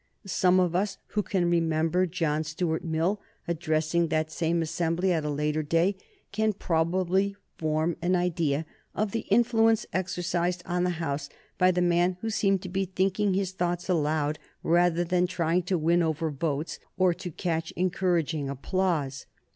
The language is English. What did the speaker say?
Some of us who can remember John Stuart Mill addressing that same assembly at a later day, can probably form an idea of the influence exercised on the House by the man who seemed to be thinking his thoughts aloud rather than trying to win over votes or to catch encouraging applause.